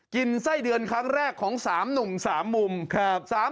กินไส้เดือนครั้งแรกของ๓หนุ่ม๓มุม